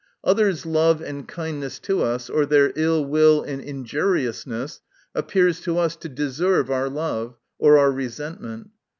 Others' love and kindness to us, or their ill will and inju riousness, appears to us to deserve our love, or our resentment.